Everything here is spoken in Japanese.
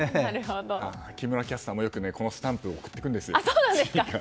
木村キャスターもよくこのスタンプを送ってくるんです。